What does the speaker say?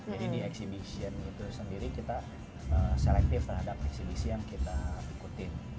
jadi di exhibition itu sendiri kita selektif terhadap exhibition yang kita ikutin